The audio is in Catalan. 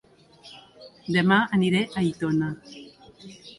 Dema aniré a Aitona